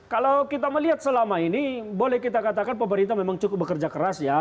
kalau kita melihat selama ini boleh kita katakan pemerintah memang cukup bekerja keras ya